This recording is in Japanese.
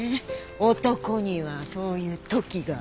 男にはそういうときが。